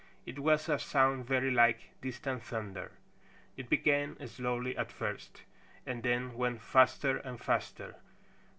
It was a sound very like distant thunder. It began slowly at first and then went faster and faster.